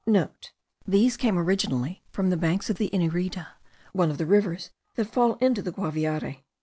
(* These came originally from the banks of the Inirida, one of the rivers that fall into the Guaviare.)